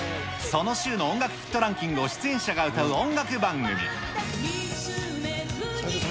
その週の音楽ヒットランキングの出演者が歌う音楽番組。